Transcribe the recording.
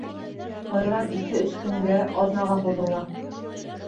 Байрам ике-өс көнгә, аҙнаға һуҙыла.